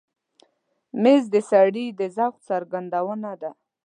مېز د سړي د ذوق څرګندونه ده.